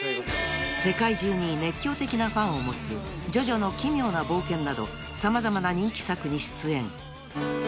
［世界中に熱狂的なファンを持つ『ジョジョの奇妙な冒険』など様々な人気作に出演］